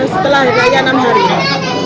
setelah raya enam hari